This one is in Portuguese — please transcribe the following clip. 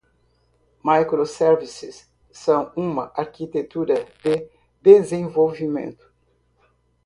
Microservices são uma arquitetura de desenvolvimento.